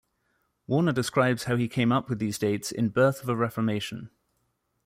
Warner describes how he came up with these dates in "Birth of a Reformation".